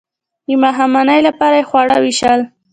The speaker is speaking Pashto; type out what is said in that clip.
د ماښامنۍ لپاره یې خواړه ویشل.